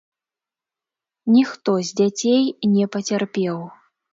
Ніхто з дзяцей не пацярпеў.